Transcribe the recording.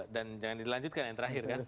dan jangan dilanjutkan yang terakhir kan